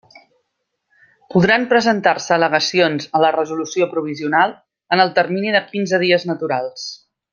Podran presentar-se al·legacions a la resolució provisional en el termini de quinze dies naturals.